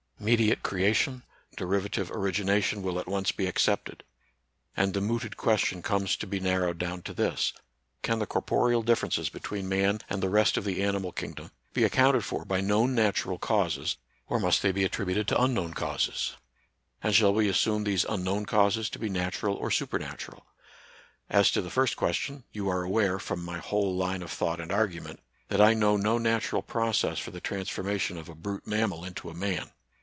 Mediate creation, derivative origination will at once be accepted ; and the mooted question comes to be NATUBAL SCIENCE AND RELIGION. 99 narrowed down to this : Can the corporeal dif ferences between man and the rest of the animal kingdom be accounted for by known natural causes, or must they be attributed to unknown causes ? And shall we assume these unknown causes to be natural or supernatural ? As to the first question, you are aware, from my whole line of thought and argument, that I know no natural process for the transformation of a brute mammal into a man.